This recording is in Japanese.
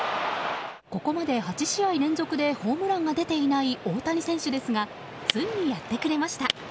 ここまで８試合連続でホームランが出ていない大谷選手ですがついにやってくれました。